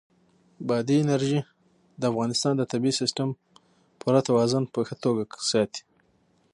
بادي انرژي د افغانستان د طبعي سیسټم پوره توازن په ښه توګه ساتي.